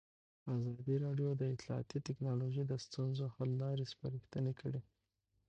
ازادي راډیو د اطلاعاتی تکنالوژي د ستونزو حل لارې سپارښتنې کړي.